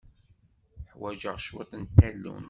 Ḥwajeɣ cwiṭ n tallunt.